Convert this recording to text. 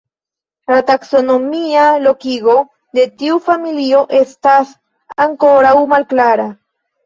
La taksonomia lokigo de tiu familio estas ankoraŭ malklara.